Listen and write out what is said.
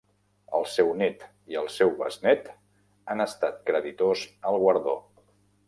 El seu nét i el seu besnét han estat creditors al guardó.